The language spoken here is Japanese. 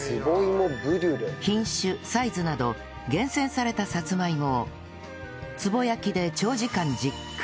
品種サイズなど厳選されたさつまいもを壺焼きで長時間じっくり焼きます